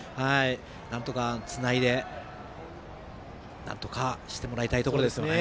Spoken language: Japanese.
なんとか、つないでなんとかしてもらいたいところですね。